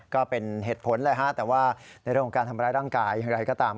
ก็เป็นเหตุผลแหละฮะแต่ว่าในเรื่องของการทำร้ายร่างกายอย่างไรก็ตาม